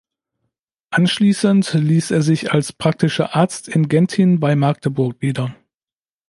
Anschließend ließ er sich als praktischer Arzt in Genthin bei Magdeburg nieder.